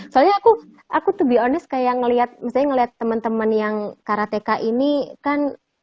soalnya aku to be honest kayak ngelihat teman teman yang karateka ini kan